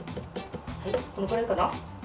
はいこのくらいかな？